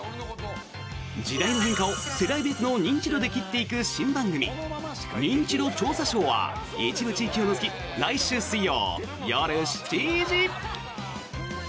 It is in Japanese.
時代の変化を世代別の認知度で斬っていく新番組「ニンチド調査ショー」は一部地域を除き来週水曜夜７時。